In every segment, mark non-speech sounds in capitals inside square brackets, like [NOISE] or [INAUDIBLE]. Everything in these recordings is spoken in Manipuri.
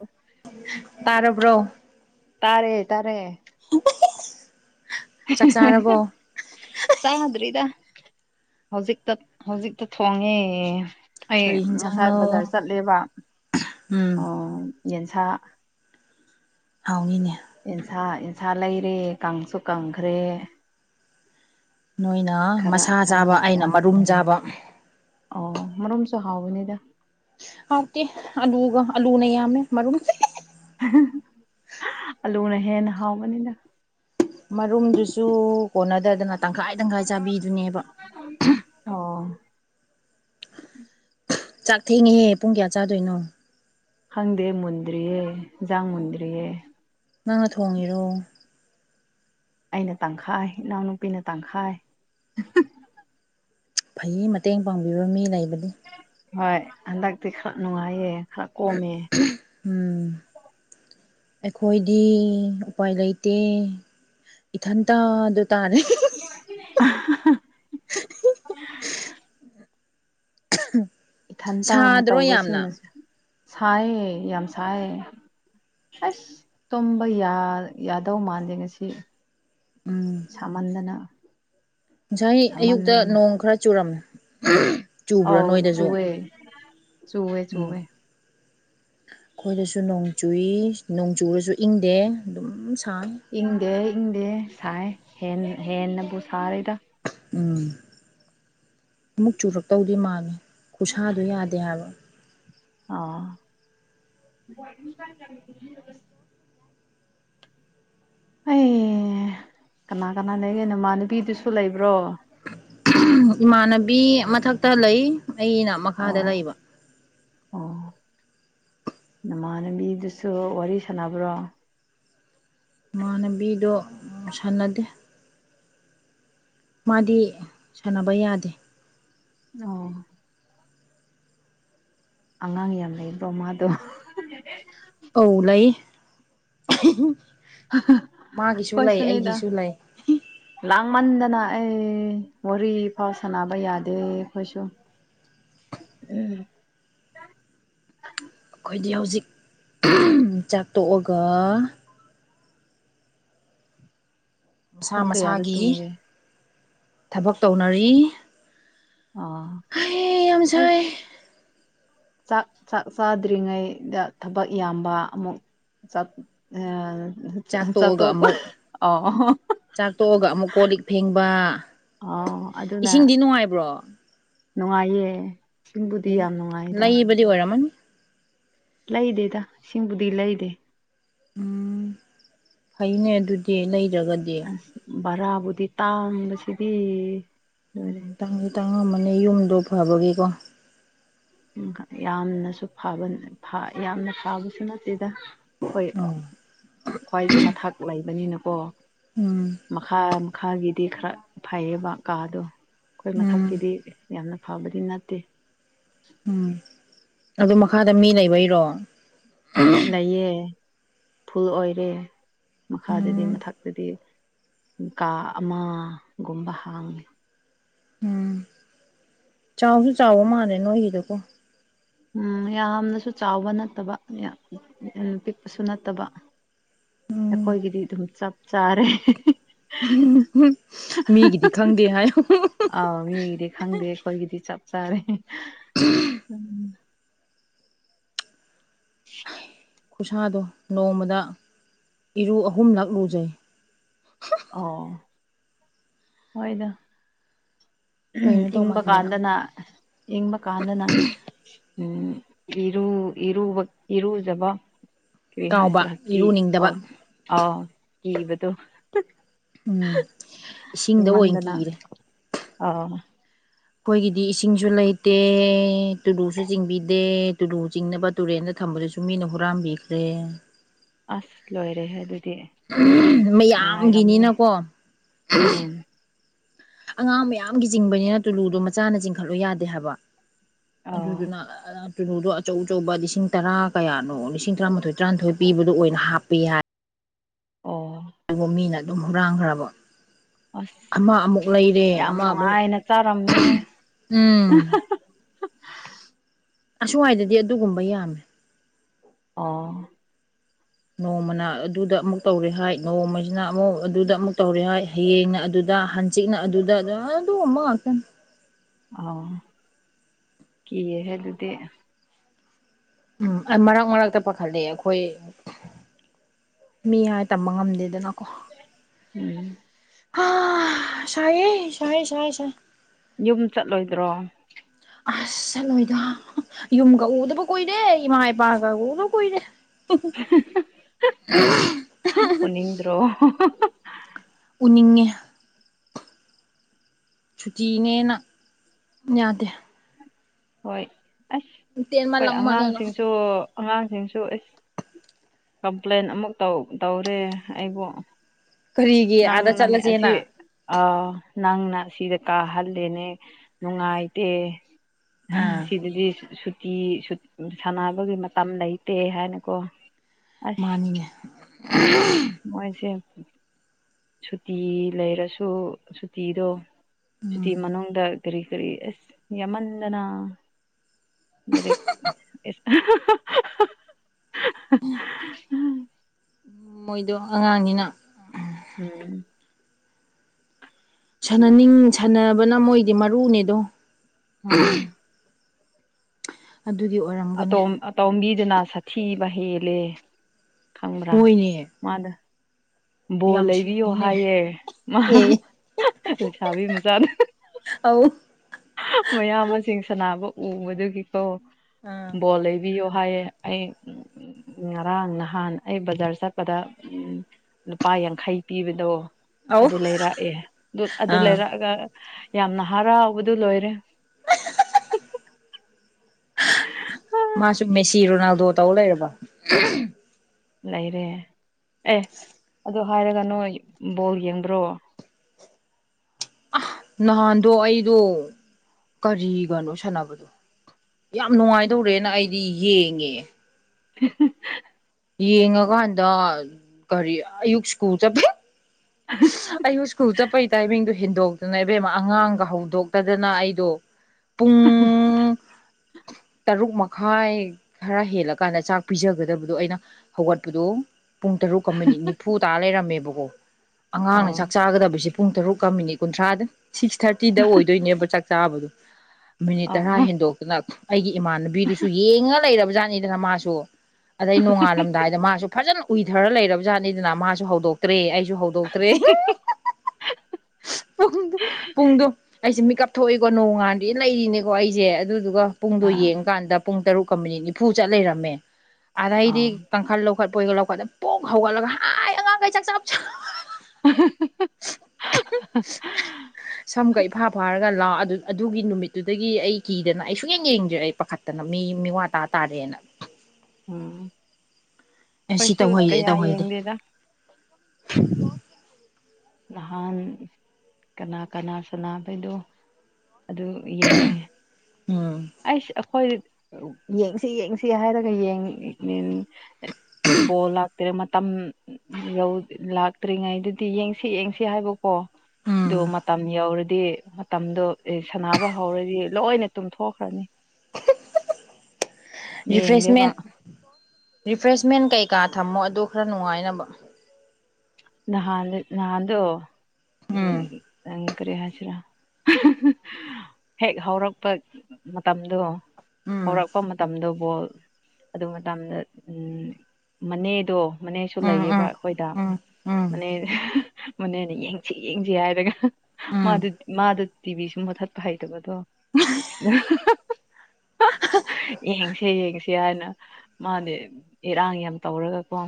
ꯑꯣ ꯇꯔꯕ꯭ꯔꯣ ꯇꯥꯔꯦ ꯇꯥꯔꯦ [UNINTELLIGIBLE] ꯆꯥꯛ ꯆꯥꯔꯕꯣ [UNINTELLIGIBLE] ꯆꯥꯟꯅꯗ꯭ꯔꯤꯗ ꯍꯧꯖꯤꯛꯇ ꯍꯧꯖꯤꯛꯇ ꯊꯣꯡꯉꯦ ꯑꯩ ꯀꯔꯤ ꯉꯁꯥꯏ ꯌꯦꯟꯖꯥꯡꯅꯣ ꯕꯖꯥꯔ ꯆꯠꯂꯦꯕ ꯎꯝ ꯌꯦꯟꯁꯥ ꯍꯥꯎꯏꯤꯅꯦ ꯑꯦꯟꯁꯥ ꯑꯦꯟꯁꯥ ꯂꯩꯔꯦ ꯀꯪꯁꯨ ꯀꯪꯈ꯭ꯔꯦ ꯅꯣꯏꯅ ꯈꯔ ꯃꯁꯥ ꯆꯥꯕ ꯈꯔꯅ ꯑꯩꯅ ꯊꯣꯡꯉꯦ ꯃꯔꯨꯝ ꯆꯥꯕ ꯑꯣ ꯃꯔꯣꯝꯁꯨ ꯍꯥꯎꯕꯅꯤꯗ ꯑꯇ ꯑꯂꯨꯒ ꯑꯂꯨꯅ ꯌꯥꯝꯃꯦ ꯃꯔꯔꯨꯝ ꯑꯂꯨꯅ ꯍꯦꯟꯅ ꯍꯥꯎꯕꯅꯤꯅ ꯃꯔꯨꯝꯗꯨꯁꯨ ꯀꯣꯟꯅꯗꯗꯅ ꯇꯪꯈꯥꯏ ꯇꯪꯈꯥꯏ ꯆꯥꯕꯤꯗꯨꯅꯦꯕ ꯑꯣ ꯆꯥꯛ ꯊꯦꯡꯉꯦꯍꯦ ꯄꯨꯡ ꯀꯌꯥ ꯆꯥꯗꯣꯏꯅꯣ ꯈꯪꯗꯦ ꯃꯨꯟꯗ꯭ꯔꯤꯌꯦꯖꯥꯡ ꯃꯨꯟꯗ꯭ꯔꯤꯌꯦ ꯅꯪꯅ ꯊꯣꯡꯉꯤꯔꯣ ꯑꯩꯅ ꯇꯪꯈꯥꯏ ꯏꯅꯥꯎꯅꯨꯄꯤꯅ ꯇꯪꯈꯥꯏ ꯐꯩ ꯃꯇꯦꯡ ꯄꯥꯡꯕꯤꯕ ꯃꯤ ꯂꯩꯕꯗꯤ ꯍꯣꯏ ꯍꯟꯗꯛꯇꯤ ꯈꯔ ꯅꯨꯡꯉꯥꯏꯌꯦ ꯈꯔ ꯀꯣꯝꯃꯦ ꯎꯝ ꯑꯩꯈꯣꯏꯗꯤ ꯎꯄꯥꯏ ꯂꯩꯇꯦ ꯏꯊꯟꯇ ꯑꯗꯨ ꯇꯥꯅꯦ [UNINTELLIGIBLE] [UNINTELLIGIBLE] ꯏꯊꯟꯇ ꯁꯥꯗ꯭ꯔꯣ ꯌꯥꯝꯅ ꯇꯧꯕꯁꯤꯅꯁꯨ ꯁꯥꯏꯌꯦ ꯌꯥꯝ ꯁꯥꯏꯌꯦ ꯑꯁ ꯇꯨꯝꯕ ꯌꯥꯗꯧ ꯃꯥꯟꯗꯦ ꯉꯁꯤ ꯎꯝ ꯁꯃꯟꯗꯅ ꯉꯁꯥꯏ ꯑꯌꯨꯛꯇ ꯅꯣꯡ ꯈꯔ ꯆꯨꯔꯝꯃꯦ ꯆꯨꯕ꯭ꯔꯥ ꯑꯧ ꯅꯣꯏꯗꯁꯨ ꯆꯨꯋꯦ ꯆꯨꯋꯦ ꯎꯝ ꯆꯨꯋꯦ [INAUDIBLE] ꯑꯩꯈꯣꯏꯗꯁꯨ ꯅꯣꯡ ꯆꯨꯏ ꯅꯣꯡꯆꯨꯔꯁꯨ ꯏꯪꯗꯦ ꯑꯗꯨꯝ ꯁꯥꯡ ꯏꯪꯗꯦ ꯏꯪꯗꯦ ꯁꯥꯏ ꯍꯦꯟꯅꯕꯨ ꯁꯥꯔꯤꯗ ꯎꯝ ꯑꯃꯨꯛ ꯆꯨꯔꯛꯇꯧꯗꯤ ꯃꯥꯜꯂꯦ ꯈꯨꯠꯁꯥꯗꯣ ꯌꯥꯗꯦ ꯍꯥꯏꯕ ꯑꯥ ꯑꯩ ꯀꯅꯥ ꯀꯅꯥ ꯂꯩꯒ‌ꯦ ꯅꯃꯥꯟꯅꯕꯤꯗꯨꯁꯨ ꯂꯩꯕ꯭ꯔꯣ ꯏꯃꯥꯟꯅꯕꯤ ꯃꯊꯛꯇ ꯂꯩ ꯑꯩꯅ ꯑꯣ ꯃꯈꯥꯗ ꯂꯩꯕ ꯑꯣ ꯅꯃꯥꯟꯅꯕꯤꯗꯨꯁꯨ ꯋꯥꯔꯤ ꯁꯥꯟꯅꯕ꯭ꯔꯣ ꯏꯃꯥꯟꯅꯕꯤꯗꯣ ꯁꯥꯟꯅꯗꯦ ꯃꯥꯗꯤ ꯁꯥꯟꯅꯕ ꯌꯥꯗꯦ ꯑꯣ ꯑꯉꯥꯡ ꯌꯥꯝ ꯂꯩꯕ꯭ꯔꯣ ꯃꯥꯗꯣ ꯑꯧ ꯂꯩ ꯃꯥꯒꯤꯁꯨ ꯂꯩ ꯑꯩꯈꯣꯏꯁꯨꯅꯤꯗ ꯑꯩꯒꯤꯁꯨ ꯂꯩ [UNINTELLIGIBLE] ꯂꯥꯡꯃꯟꯗꯅ ꯑꯩ ꯋꯥꯔꯤ ꯐꯥꯎ ꯁꯥꯟꯅꯕ ꯌꯥꯗꯦ ꯑꯩꯈꯣꯏꯁꯨ ꯎꯝ ꯑꯩꯈꯣꯏꯗꯤ ꯍꯧꯖꯤꯛ ꯆꯥꯛ ꯇꯣꯛꯑꯒ ꯃꯁꯥ ꯄꯨꯡ ꯀꯌꯥꯗ ꯃꯁꯥꯒꯤ ꯇꯨꯝꯒꯦ ꯊꯕꯛ ꯇꯧꯅꯔꯤ ꯑꯥ ꯍꯩ ꯌꯥꯝ ꯁꯥꯏ ꯑꯁ ꯆꯥꯛ ꯆꯥꯛ ꯆꯥꯗ꯭ꯔꯤꯉꯩꯗ ꯊꯕꯛ ꯌꯥꯝꯕ ꯑꯃꯨꯛ ꯆꯠ ꯑ ꯆꯥꯛꯇꯣꯛꯑꯒ ꯆꯥꯠꯇꯣꯛꯄ ꯑꯃꯨꯛ ꯑꯣ ꯆꯥꯛꯇꯣꯛꯑꯒ ꯑꯃꯨꯛ ꯀꯣꯜ ꯂꯤꯛ ꯐꯦꯡꯕ ꯑꯣ ꯑꯗꯨꯅ ꯏꯁꯤꯡꯗꯤ ꯅꯨꯡꯉꯥꯏꯕ꯭ꯔꯣ ꯅꯨꯡꯉꯥꯏꯌꯦ ꯏꯁꯤꯡꯕꯨꯗꯤ ꯌꯥꯝ ꯅꯨꯡꯉꯥꯏꯗ ꯕ ꯑꯣꯏꯔꯝꯃꯅꯤ ꯂꯩꯗꯦꯗ ꯏꯁꯤꯡꯕꯨꯗꯤ ꯂꯩꯗꯦ ꯎꯝ ꯐꯩꯅꯦ ꯑꯗꯨꯗꯤ ꯂꯩꯗꯔꯒꯗꯤ ꯑ ꯚꯔꯥꯕꯨꯗꯤ ꯇꯥꯡꯕꯁꯤꯗꯤ ꯎꯝ ꯂꯣꯏꯔꯦ ꯇꯥꯡꯗꯤ ꯇꯥꯡꯉꯝꯃꯅꯦ ꯌꯨꯝꯗꯣ ꯐꯕꯒꯤꯀꯣ ꯎꯝ ꯌꯥꯝꯅꯁꯨ ꯐꯥꯕ ꯐꯥ ꯌꯥꯝꯅ ꯐꯥꯕꯁꯨ ꯅꯠꯇꯦꯗ ꯍꯣꯏ ꯑꯧ ꯈ꯭ꯋꯥꯏ ꯃꯊꯛ ꯂꯩꯕꯅꯤꯅꯀꯣ ꯎꯝ ꯃꯈꯥ ꯃꯈꯥꯒꯤꯗꯤ ꯈꯔ ꯐꯩꯌꯦꯕ ꯀꯥꯗꯣ ꯑꯩꯈꯣꯏ ꯎꯝ ꯃꯊꯛꯀꯤꯗꯤ ꯌꯥꯝꯅ ꯐꯥꯕꯗꯤ ꯅꯠꯇꯦ ꯎꯝ [INAUDIBLE] ꯑꯗꯨ ꯃꯈꯥꯗ ꯃꯤ ꯂꯩꯕꯩꯔꯣ ꯂꯩꯌꯦ ꯐꯨꯜ ꯑꯣꯏꯔꯦ ꯃꯈꯥꯗꯗꯤ ꯎꯝ ꯃꯊꯛ ꯗꯗꯤ ꯀꯥ ꯑꯃꯒꯨꯝꯕ ꯍꯥꯡꯉꯤ ꯎꯝ ꯆꯥꯎꯁꯨ ꯆꯥꯎꯕ ꯃꯥꯜꯂꯦ ꯅꯣꯏꯒꯤꯗ‌ꯣꯀꯣ ꯎꯝ ꯌꯥꯝꯅꯁꯨ ꯆꯥꯎꯕ ꯅꯠꯇꯕ ꯌꯥꯝ ꯎꯝ ꯄꯤꯛꯄꯁꯨ ꯅꯠꯇꯕ ꯎꯝ ꯑꯩꯈꯣꯏꯒꯤꯗꯤ ꯑꯗꯨꯝ ꯆꯞ ꯆꯥꯔꯦ ꯎꯝ ꯃꯤꯒꯤꯗꯤ ꯈꯪꯗꯦ ꯍꯥꯏꯌ‌ꯣ ꯑꯥꯎ ꯃꯤꯒꯤꯗꯤ ꯈꯪꯗꯦ ꯑꯩꯈꯣꯏꯒꯤꯗꯤ ꯆꯞ ꯆꯥꯔꯦ [INAUDIBLE] ꯈꯨꯁꯥꯗꯣ ꯅꯣꯡꯃꯗ ꯏꯔꯨ ꯑꯍꯨꯝꯂꯛ ꯂꯨꯖꯩ ꯑꯣ ꯍꯣꯏꯗ ꯀꯩꯅꯣ ꯏꯪꯕ ꯇꯧꯃꯟꯗꯅ ꯀꯥꯟꯗꯅ ꯏꯪꯕ ꯀꯥꯟꯗꯅ ꯎꯝ ꯏꯔꯨ ꯏꯔꯨꯕ ꯏꯔꯨꯖꯕ ꯀꯔꯤ ꯀꯥꯎꯕ ꯍꯥꯏꯁꯤꯔ ꯀꯤ ꯏꯔꯨꯅꯤꯡꯗꯕ ꯑꯥ ꯑꯥ ꯀꯤꯕꯗ‌ꯣ ꯎꯝ ꯏꯁꯤꯡꯗ ꯑꯣꯏꯅ ꯏꯪꯃꯟꯗꯅ ꯀꯤꯔꯦ ꯑꯥ ꯑꯩꯈꯣꯏꯒꯤꯗꯤ ꯏꯁꯤꯡꯁꯨ ꯂꯩꯇꯦ ꯇꯨꯂꯨꯁꯨ ꯆꯤꯡꯕꯤꯗꯦ ꯇꯨꯂꯨ ꯆꯤꯡꯅꯕ ꯇꯨꯔꯦꯟꯗ ꯊꯝꯕꯗꯨꯁꯨ ꯃꯤꯅ ꯍꯨꯔꯥꯟꯕꯤꯈ꯭ꯔꯦ ꯑꯁ ꯂꯣꯏꯔꯦꯍ‌ꯦ ꯑꯗꯨꯗꯤ ꯅꯨꯡꯉꯥꯏꯔꯝꯅꯤ ꯃꯌꯥꯝꯒꯤꯅꯤꯅꯀꯣ ꯎꯝ ꯑꯉꯥꯡ ꯃꯌꯥꯝꯒꯤ ꯆꯤꯡꯕꯅꯤꯅ ꯇꯨꯂꯨꯗꯣ ꯃꯆꯥꯅ ꯆꯤꯡꯈꯠꯂꯨ ꯌꯥꯗꯦ ꯍꯥꯏꯕ ꯑꯥꯎ ꯑꯗꯨꯗꯨꯅ ꯑ ꯆꯨꯅꯨꯗꯣ ꯑꯆꯧ ꯑꯆꯧꯕ ꯂꯤꯁꯤꯡ ꯇꯔꯥ ꯀꯌꯥꯅꯣ ꯂꯤꯁꯤꯡ ꯇꯔꯥꯃꯥꯊꯣꯏ ꯇꯔꯥꯅꯤꯊꯣꯏ ꯄꯤꯕꯗꯣ ꯑꯣꯏꯅ ꯍꯥꯞꯄꯦ ꯍꯥꯏ ꯑꯣ ꯑꯗꯨꯕꯨ ꯃꯤꯅ ꯑꯗꯨꯝ ꯍꯨꯔꯥꯟꯈ꯭ꯔꯕ ꯑꯁ ꯑꯃ ꯑꯃꯨꯛ ꯂꯩꯔꯦ ꯌꯥꯝ ꯑꯃ ꯑꯃꯨꯛ ꯅꯨꯡꯉꯥꯏꯅ ꯆꯥꯔꯝꯅꯤꯍꯦ ꯎꯝ ꯑꯁ꯭ꯋꯥꯏꯗꯗꯤ ꯑꯗꯨꯒꯨꯝꯕ ꯌꯥꯝꯃꯦ ꯑꯣ ꯅꯣꯡꯃꯅ ꯑꯗꯨꯗ ꯑꯃꯨꯛ ꯇꯧꯔꯦ ꯍꯥꯏ ꯅꯣꯡꯃꯁꯤꯅ ꯑꯃꯨꯛ ꯑꯗꯨꯗ ꯑꯃꯨꯛ ꯇꯧꯔꯦ ꯍꯥꯏ ꯍꯌꯦꯡꯅ ꯑꯗꯨꯗ ꯍꯥꯟꯆꯤꯛꯅ ꯑꯗꯨꯗ ꯑꯗꯨ ꯑꯗꯨ ꯑꯃ ꯉꯥꯛꯇꯅꯤ ꯑꯥꯎ ꯀꯤꯌꯦ ꯍꯦ ꯑꯗꯨꯗꯤ ꯎꯝ ꯃꯔꯛ ꯃꯔꯛꯇ ꯄꯥꯈꯠꯂꯦ ꯑꯩꯈꯣꯏ ꯃꯤ ꯍꯥꯏ ꯇꯝꯕ ꯉꯝꯗꯦꯗꯅꯀꯣ ꯎꯝ [UNINTELLIGIBLE] ꯁꯥꯏꯌꯦ ꯁꯥꯏ ꯁꯥꯏ ꯁꯥꯏ ꯌꯨꯝ ꯆꯠꯂꯣꯏꯗ꯭ꯔꯣ ꯑꯁ ꯆꯠꯂꯣꯏꯗ ꯌꯨꯝꯒ ꯎꯗꯕ ꯀꯨꯏꯔꯦ ꯏꯃꯥ ꯏꯄꯥꯒ ꯎꯗꯕ ꯀꯨꯏꯔꯦ [UNINTELLIGIBLE] ꯅꯤꯡꯗ꯭ꯔꯣ ꯎꯅꯤꯡꯉꯦ ꯁꯨꯇꯤꯅꯦꯅ ꯌꯥꯗꯦ ꯍꯣꯏ ꯑꯁ ꯇꯦꯟꯃꯟ ꯍꯣꯏ ꯂꯥꯡꯃꯟꯗꯅ ꯑꯉꯥꯡꯁꯤꯡꯁꯨ ꯑꯉꯥꯡꯁꯤꯡꯁꯨ ꯑꯁ ꯀꯝꯄ꯭ꯂꯦꯟ ꯑꯃꯨꯛ ꯇꯧ ꯇꯧꯔꯦ ꯑꯩꯕꯨ ꯀꯔꯤꯒꯤ ꯑꯥꯗ ꯅꯪꯅꯅꯦ ꯑꯁꯤ ꯆꯠꯂꯁꯦꯅ ꯑꯥ ꯅꯪꯅ ꯁꯤꯗ ꯀꯥꯍꯜꯂꯦꯅꯦ ꯅꯨꯡꯉꯥꯏꯇꯦ ꯑꯥ ꯁꯤꯗꯗꯤ ꯁꯨꯇꯤ ꯁꯥꯟꯅꯕꯒꯤ ꯃꯇꯝ ꯂꯩꯇꯦ ꯍꯥꯏꯅꯀꯣ ꯑꯁ ꯃꯥꯅꯤꯅꯦ [UNINTELLIGIBLE] ꯃꯣꯏꯁꯦ ꯁꯨꯇꯤ ꯂꯩꯔꯁꯨ ꯁꯨꯇꯤꯗꯣ ꯁꯨꯇꯤ ꯎꯝ ꯃꯅꯨꯡꯗ ꯀꯔꯤ ꯀꯔꯤ ꯑꯦꯁ ꯌꯃꯟꯗꯅꯥ ꯂꯩꯔꯤꯛ [UNINTELLIGIBLE] ꯃꯣꯏꯗꯣ ꯑꯉꯥꯡꯅꯤꯅ ꯎꯝ ꯁꯥꯟꯅꯅꯤꯡ ꯁꯥꯟꯅꯕꯅ ꯃꯣꯏꯗꯤ ꯃꯔꯨꯅꯦꯗꯣ ꯎꯝ ꯑꯗꯨꯒꯤ ꯑꯣꯏꯔꯝ ꯑꯇꫭꯝ ꯑꯇꯣꯝꯕꯤꯗꯨꯅ ꯁꯥꯊꯤꯕ ꯍꯦꯜꯂꯦ ꯈꯪꯕ꯭ꯔꯥ ꯍꯣꯏꯅꯦ ꯃꯥꯗ ꯕꯣꯜ ꯌꯥꯝ ꯂꯩꯕꯤꯌꯣ ꯁꯤꯡꯉꯤꯅꯦ ꯍꯥꯏꯌꯦ ꯃꯥ ꯑꯦ ꯂꯩꯁꯥꯕꯤ ꯃꯆꯥꯅ ꯑꯥꯎ ꯃꯌꯥꯝꯁꯤꯡ ꯁꯥꯟꯅꯕ ꯎꯕꯗꯨꯒꯤꯀꯣ ꯑꯥ ꯕꯣꯜ ꯂꯩ ꯕꯤꯌꯣ ꯍꯥꯏꯌꯦ ꯑꯩ ꯉꯔꯥꯡ ꯅꯍꯥꯟ ꯑꯩ ꯕꯖꯥꯔ ꯆꯠꯄꯗ ꯎꯝ ꯂꯨꯄꯥ ꯌꯥꯡꯈꯩ ꯄꯤꯕꯗꯣ ꯑꯧ ꯑꯗꯨ ꯂꯩꯔꯛꯑꯦ ꯑꯗꯨ ꯑꯥ ꯂꯩꯔꯛꯑꯒ ꯌꯥꯝꯅ ꯍꯔꯥꯎꯕꯗꯨ ꯂꯣꯏꯔꯦ [UNINTELLIGIBLE] ꯃꯥꯁꯨ ꯃꯦꯁꯤ ꯔꯣꯅꯥꯜꯗꯣ ꯇꯧ ꯂꯩꯔꯕꯣ ꯂꯩꯔꯦ ꯑꯦ ꯑꯗꯨ ꯍꯥꯏꯔꯒ ꯅꯣꯏ ꯕꯣꯜ ꯌꯦꯡꯕ꯭ꯔꯣ ꯅꯍꯥꯟꯗꯣ ꯑꯩꯗꯣ ꯀꯔꯤꯒꯅꯣ ꯁꯥꯟꯅꯕꯗꯣ ꯌꯥꯝ ꯅꯨꯡꯉꯥꯏꯗꯧꯔꯦꯅ ꯑꯩꯗꯤ ꯌꯦꯡꯉꯦ [UNINTELLIGIBLE] ꯌꯦꯡꯉꯀꯥꯟꯗ ꯀꯔꯤ ꯑꯌꯨꯛ ꯏꯁ꯭ꯀꯨ ꯆꯠꯄꯩ [UNINTELLIGIBLE] ꯑꯩꯕꯨ ꯁ꯭ꯀꯨꯜ ꯆꯠꯄꯒꯤ ꯇꯥꯏꯃꯤꯡꯗꯣ ꯍꯦꯟꯗꯣꯛꯇꯅ ꯏꯕꯦꯝꯃ ꯑꯉꯥꯡꯒ ꯍꯧꯗꯣꯛꯇꯗꯅ ꯑꯩꯗꯣ ꯄꯨꯡ ꯎ ꯇꯔꯨꯛ ꯃꯈꯥꯏ ꯈꯔ ꯍꯦꯜꯂꯀꯥꯟꯗ ꯆꯥꯛ ꯄꯤꯖꯒꯗꯕꯗꯣ ꯑꯩꯅ ꯍꯧꯒꯠꯄꯗꯣ ꯄꯨꯡ ꯇꯔꯨꯛꯀ ꯃꯤꯅꯤꯠ ꯅꯤꯐꯨ ꯇꯥ ꯂꯩꯔꯝꯃꯦꯕꯀꯣ ꯑꯉꯥꯡꯅ ꯑꯥ ꯆꯥꯛ ꯆꯥꯒꯗꯕꯁꯦ ꯄꯨꯡ ꯇꯔꯨꯛꯀ ꯃꯤꯅꯤꯠ ꯀꯨꯟꯊ꯭ꯔꯥꯗ ꯁꯤꯛꯁ ꯊꯥꯔꯇꯤꯗ ꯑꯣꯏꯗꯣꯏꯅꯦꯕ ꯆꯥꯛ ꯆꯥꯕꯗꯣ ꯃꯤꯅꯤꯠ ꯇꯔꯥ ꯑꯥ ꯍꯦꯟꯗꯣꯛꯇꯅ ꯑꯩꯒꯤ ꯏꯃꯥꯟꯅꯕꯤꯗꯨꯁꯨ ꯌꯦꯡꯉ ꯂꯩꯔꯕ ꯖꯥꯠꯅꯤꯗꯅ ꯃꯥꯁꯨ ꯑꯗꯩ ꯅꯣꯡꯉꯥꯜꯂꯝꯗꯥꯏꯗ ꯃꯥꯁꯨ ꯐꯖꯅ ꯎꯏꯊꯔ ꯂꯩꯔꯕ ꯖꯥꯠꯅꯤꯗꯅ ꯃꯥꯁꯨ ꯍꯧꯗꯣꯛꯇ꯭ꯔꯦ ꯑꯩꯁꯨ ꯍꯧ ꯇꯦ ꯄꯨꯡꯗꯣ ꯑꯩꯁꯦ ꯃꯤꯀ ꯀꯞ ꯊꯣꯛꯏꯀꯣ ꯅꯣꯡꯉꯥꯟꯗ ꯂꯩꯔꯤꯅꯦꯀꯣ ꯑꯩꯁꯦ ꯑꯗꯨꯗꯨꯒ ꯄꯨꯡꯗꯣ ꯑꯥ ꯌꯦꯡꯉꯀꯥꯟꯗ ꯄꯨꯡ ꯇꯔꯨꯛꯀ ꯃꯤꯅꯤꯠ ꯅꯤꯐꯨ ꯆꯠ ꯂꯩꯔꯝꯃꯦ ꯑꯗꯩꯗꯤ ꯑꯥ ꯀꯥꯡꯈꯜ ꯂꯧ ꯂꯧꯈꯠꯂꯒ ꯄꯣꯡ ꯍꯧꯒꯠꯂꯒ ꯍꯥꯏ ꯑꯉꯥꯡꯈꯩ ꯆꯥꯛ ꯆꯥꯕꯥ ꯆꯪꯉꯛꯑꯣ꯫ [UNINTELLIGIBLE] [INAUDIBLE] ꯁꯝꯒ ꯏꯐꯥ ꯐꯥꯔꯒ ꯂꯥꯛ ꯑꯗꯨꯒꯤ ꯅꯨꯃꯤꯠꯇꯨꯗꯒꯤ ꯑꯩ ꯀꯤꯗꯅ ꯑꯩ ꯁꯨꯡꯛꯌꯦꯡ ꯌꯦꯡꯗꯦ ꯑꯩ ꯄꯥꯈꯠ꯫ ꯇꯅ ꯃꯤ ꯃꯤ ꯋꯥ ꯇꯥ ꯇꯥꯔꯦꯅ꯫ ꯎꯝ ꯑꯦ ꯁꯤ ꯑꯩꯈꯣꯏꯁꯨ ꯇꯧꯍꯩꯗꯦ ꯀꯌꯥ ꯇꯧꯍꯩꯗꯦ ꯌꯦꯡꯗꯦꯗ꯫ [INAUDIBLE] ꯅꯍꯥꯟ ꯀꯅꯥ ꯀꯅꯥ ꯁꯅꯕꯩꯗꯣ ꯑꯗꯨ꯫ ꯌꯦꯡꯉꯦ꯫ ꯎꯝ ꯑꯩꯁ ꯑꯩꯈꯣꯏ ꯌꯦꯡꯁꯤ ꯌꯦꯡꯁꯤ ꯍꯥꯏꯔꯒ꯫ [UNINTELLIGIBLE] ꯕꯣꯜ ꯂꯥꯛꯇꯔꯦ ꯃꯇꯝ ꯌꯧ ꯂꯥꯛꯇ꯭ꯔꯤꯉꯩꯗꯨꯗꯤ ꯌꯦꯡꯁꯤ꯫ ꯁꯤ ꯌꯦꯡꯁꯤ ꯍꯥꯏꯕꯀꯣ ꯑꯣ ꯎꯝ ꯃꯇꯝ ꯌꯧꯔꯗꯤ꯫ ꯃꯇꯝꯗꯣ ꯑꯦ ꯁꯥꯟꯅꯕ ꯍꯧꯔꯗꯤ ꯂꯣꯏꯅ ꯇꯨꯝꯊꯣꯛꯈ꯭ꯔꯅꯤ꯫ ꯌꯦꯡꯗꯦꯕ ꯔꯤꯐ꯭ꯔꯦꯁꯃꯦꯟ ꯔꯤꯐ꯭ꯔꯦꯁꯃꯦꯟ ꯀꯩꯀꯥ ꯊꯝꯃꯣ ꯑꯗ ꯈꯔ ꯅꯨꯡꯉꯥꯏꯅꯕ꯫ ꯅꯍꯥꯟ ꯅꯥꯟꯗꯣ ꯎꯝ ꯎꯝ꯫ ꯀꯔꯤ ꯍꯥꯏꯁꯤꯔꯥ ꯍꯦꯛ ꯍꯧꯔꯛꯄ꯫ ꯃꯇꯝꯗꯣ ꯎꯝ ꯍꯧꯔꯛꯄ ꯃꯇꯝꯗꯨ ꯕꯣꯜ꯫ ꯑꯗꯨ ꯃꯇꯝꯗ ꯃꯅꯦꯗꯣ ꯃꯅꯦꯁꯨ ꯎꯝ ꯂꯩꯌꯦꯕ ꯎꯝ ꯑꯩꯈꯣꯏꯗ꯫ ꯎꯝ ꯎꯝ ꯃꯅꯦ ꯃꯅꯦꯅ ꯌꯦꯡꯁꯤ ꯌꯦꯡꯁꯤ ꯍꯥꯏꯔꯒ꯫ ꯎꯝ ꯃꯥꯗꯨ ꯃꯥꯗꯨ ꯇꯤꯚꯤ ꯁꯨ ꯃꯨꯠꯊꯠꯄ ꯍꯩꯇꯕꯗꯣ꯫ ꯌꯦꯡꯁꯦ ꯌꯦꯡꯁꯦ ꯍꯥꯏꯅ ꯃꯥꯗꯤ ꯏꯔꯥꯡ ꯌꯥꯝ ꯇꯧꯔꯒꯀꯣ꯫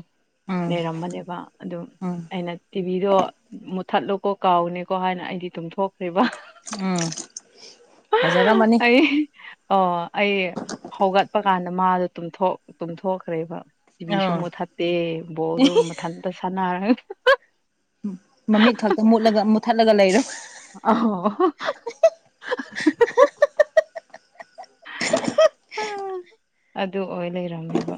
ꯎꯝ ꯂꯩꯔꯝꯕꯅꯦꯕ ꯑꯗꯨ ꯎꯝ ꯑꯩꯅ ꯇꯤꯚꯤꯗꯣ꯫ ꯃꯨꯠꯊꯠꯂꯨꯀꯣ ꯀꯥꯎꯅꯤꯀꯣ ꯍꯥꯏꯅ ꯑꯩꯗꯤ ꯇꯨꯝꯊꯣꯛꯈ꯭ꯔꯦꯕ꯫ [UNINTELLIGIBLE] ꯑꯩ꯫ ꯑꯣ ꯑꯩ ꯍꯧꯒꯠꯄ ꯀꯥꯟꯗ ꯃꯥꯗꯣ ꯇꯨꯝꯊꯣꯛ꫰ꯇꯨꯝꯊꯣꯛꯈ꯭ꯔꯦꯕ꯫ ꯇꯤꯚꯤꯁꯨ ꯑꯥ ꯃꯨꯠꯊꯠꯇꯦ ꯕꯣꯜꯗꯨ ꯃꯊꯟꯇ ꯁꯥꯟꯅꯔꯒ꯫ ꯃꯃꯤꯠ ꯈꯛꯇ ꯃꯨꯠꯂꯒ ꯃꯨꯠꯊꯠꯂꯒ ꯂꯩꯔꯕ꯫ ꯑꯣ ꯑ ꯑꯗꯨ ꯑꯣꯏ ꯂꯩꯔꯝꯃꯦꯕ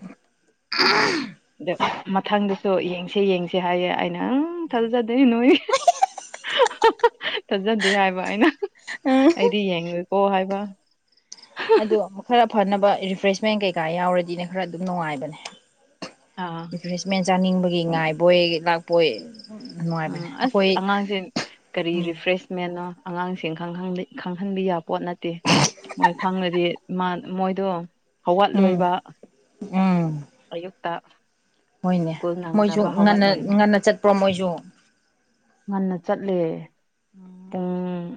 ꯑꯗ ꯃꯊꯪꯗꯁꯨ ꯌꯦꯡꯁꯦ ꯌꯦꯡꯁꯦ ꯍꯥꯏꯌꯦꯦ ꯑ ꯅꯪ ꯊꯜꯖꯗꯣꯏ ꯅꯣꯏ [UNINTELLIGIBLE] ꯊꯥꯖꯗꯦ ꯍꯥꯏꯕ ꯑꯩꯅ ꯎꯝ ꯑꯩꯗꯤ ꯌꯦꯡꯂꯨꯀꯣ ꯍꯥꯏꯕ ꯑꯗꯣ ꯈꯔ ꯐꯅꯕ ꯔꯤꯐ꯭ꯔꯦꯁꯃꯦꯟ ꯀꯩꯀꯥ ꯌꯥꯎꯔꯗꯤꯅꯦ ꯈꯔ ꯑꯗꯨꯝ ꯅꯨꯡꯉꯥꯏꯕꯅꯦ ꯑꯥ ꯔꯤꯐ꯭ꯔꯦꯁꯃꯦꯟ ꯆꯥꯅꯤꯡꯕꯒꯤ ꯍꯣꯏ ꯉꯥꯏꯕꯣꯏ ꯂꯥꯛꯄꯣꯏ ꯅꯨꯡꯉꯥꯏꯕꯅꯦ ꯎꯝ ꯑꯁ ꯑꯩꯈꯣꯏ ꯑꯉꯥꯡꯁꯦ ꯀꯔꯤ ꯎꯝ ꯔꯤꯐ꯭ꯔꯦꯁ ꯃꯟꯅꯣ ꯑꯉꯥꯡꯁꯤꯡ ꯈꯪꯍꯟꯕ ꯌꯥꯕ ꯄꯣꯠ ꯅꯠꯇꯦ ꯃꯣꯏ ꯈꯪꯉꯗꯤ ꯃꯣꯏꯗꯣ ꯎꯝ ꯍꯋꯥꯠꯂꯣꯏꯕ ꯎꯝ ꯑꯌꯨꯛꯇ꯫ ꯍꯣꯏꯅꯦ ꯁ꯭ꯀꯨꯜ ꯃꯣꯏꯁꯨ ꯅꯪꯅꯕ ꯉꯟꯅ ꯍꯧꯒꯠꯂꯣꯏꯕ ꯉꯟꯅ ꯆꯠꯄ꯭ꯔꯣ ꯃꯣꯏꯁꯨ ꯉꯟꯅ ꯆꯠꯂꯦ ꯄꯨꯡ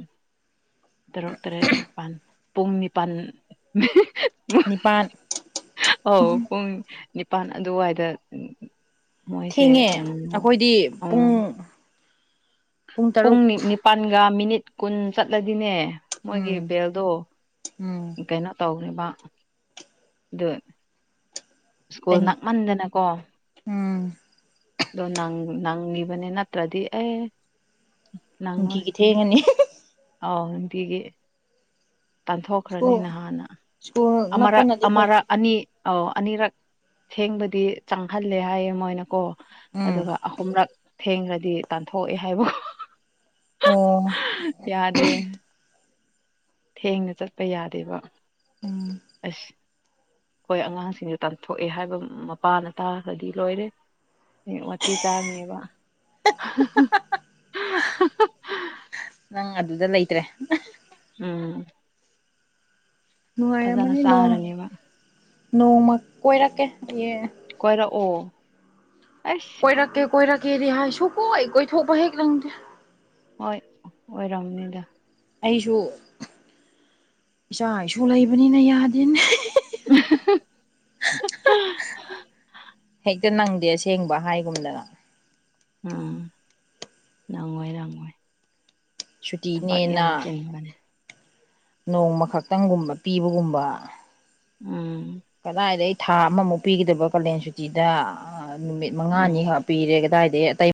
ꯇꯔꯨꯛ ꯇꯔꯦꯠ ꯅꯤꯄꯥꯜ ꯄꯨꯡ ꯅꯤꯄꯥꯜ ꯅꯤꯄꯥꯟ ꯑꯥꯎ ꯄꯨꯡ ꯅꯤꯄꯥꯜ ꯑꯗꯨꯋꯥꯏꯗ ꯃꯣꯏꯁꯦ ꯊꯦꯡꯉꯦ ꯑꯩꯈꯣꯏꯗꯤ ꯎꯝ ꯄꯨꯡ ꯄꯨꯡ ꯅꯤ ꯅꯤꯄꯥꯜꯒ ꯃꯤꯅꯤꯠ ꯀꯨꯟ ꯆꯠꯂꯗꯤꯅꯦ ꯃꯣꯏꯒꯤ ꯎꯝ ꯕꯦꯜꯗꯣ ꯎꯝ ꯀꯩꯅꯣ ꯇꯧꯅꯦꯕ ꯑꯗꯨ ꯁ꯭ꯀꯨꯜ ꯇꯅꯤꯛ ꯅꯥꯛꯃꯟꯗꯅꯀꯣ ꯎꯝ ꯑꯣ ꯅꯪ ꯅꯪ ꯒꯤꯕꯅꯤ ꯅꯠꯇ꯭ꯔꯗꯤ ꯑꯦ ꯅꯪꯉꯣꯏ ꯅꯨꯡꯇꯤꯒꯤ ꯊꯦꯡꯒꯅꯤ ꯑꯥꯎ ꯅꯨꯇꯒꯤ ꯇꯥꯟꯊꯣꯛꯈ꯭ꯔꯅꯤ ꯁ꯭ꯀꯨꯜ ꯅꯍꯥꯟꯅ ꯁ꯭ꯀꯨꯜ ꯑꯃꯔꯛ ꯅꯛꯄꯅꯗꯤ ꯐꯩ ꯑꯃꯔꯛ ꯑꯅꯤ ꯑꯧ ꯑꯅꯤꯔꯛ ꯁꯦꯡꯕꯗꯤ ꯆꯪꯍꯜꯂꯦ ꯍꯥꯏꯌꯦ ꯃꯣꯏꯅꯀꯣ ꯎꯝ ꯑꯗꯨꯒ ꯑꯍꯨꯝꯔꯛ ꯊꯦꯡꯈ꯭ꯔꯗꯤ ꯇꯥꯟꯊꯣꯛꯑꯦ ꯍꯥꯏꯕ ꯑꯣ ꯌꯥꯗꯦ ꯊꯦꯡꯅ ꯆꯠꯄ ꯌꯥꯗꯦꯕ ꯎꯝ ꯑꯁ ꯍꯣꯏ ꯑꯉꯥꯡꯁꯤꯡꯁꯨ ꯇꯥꯟꯊꯣꯛꯑꯦ ꯍꯥꯏꯕ ꯃꯄꯥꯅ ꯇꯥꯈ꯭ꯔꯗꯤ ꯂꯣꯏꯔꯦ ꯑꯦ ꯃꯊꯤ ꯆꯥꯔꯅꯦꯕ ꯅꯪ ꯑꯗꯨꯗ ꯂꯩꯇ꯭ꯔꯦ ꯎꯝ ꯐꯖꯅ ꯅꯨꯡꯉꯥꯏꯔꯝꯃꯅꯤ ꯅꯣꯡ ꯆꯥꯔꯅꯦꯕ ꯅꯣꯡꯃ ꯀꯣꯏꯔꯛꯀꯦ ꯍꯌꯦꯡ ꯀꯣꯏꯔ ꯑꯣ ꯑꯁ ꯀꯣꯏꯔꯛꯀꯦ ꯀꯣꯏꯔꯛꯀꯦꯗꯤ ꯍꯥꯏ ꯁꯨꯡ ꯀꯣꯏ ꯀꯣꯏꯊꯣꯛꯄ ꯍꯦꯛ ꯂꯪꯗ꯭ꯔꯦ ꯍꯣꯏ ꯑꯣꯏꯔꯝꯅꯤꯗ ꯑꯩꯁꯨ ꯏꯆꯥ ꯏꯁꯨ ꯂꯩꯕꯅꯤꯅ ꯌꯥꯗꯦꯅꯦ [UNINTELLIGIBLE] ꯍꯦꯛꯇ ꯅꯪꯗꯦ ꯑꯁꯦꯡꯕ ꯍꯥꯏꯒꯨꯝꯗꯅ ꯎꯝ ꯂꯣꯏ ꯂꯣꯏ ꯁꯨꯇꯤꯅꯦꯅ ꯆꯤꯟꯕꯅꯦ ꯅꯣꯡꯃ ꯈꯛꯇꯪꯒꯨꯝꯕ ꯄꯤꯕꯒꯨꯝꯕ ꯎꯝ ꯀꯗꯥꯏꯗ ꯑꯩ ꯊꯥ ꯑꯃꯃꯨꯛ ꯄꯤꯒꯗꯕ ꯀꯥꯂꯌꯦꯟ ꯁꯨꯇꯤꯗ ꯅꯨꯃꯤꯠ ꯎꯝ ꯃꯉꯥꯅꯤꯈꯛ ꯄꯤꯔꯦ ꯀꯗꯥꯏꯗꯒꯤ ꯑꯇꯩ